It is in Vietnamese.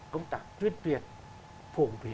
công tác tuyên tuyệt phổ biệt